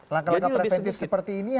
langkah langkah preventif seperti ini